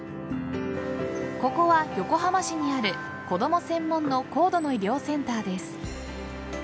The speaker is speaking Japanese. ここは横浜市にある子供専門の高度の医療センターです。